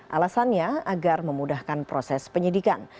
alasannya agar memudahkan proses penyidikan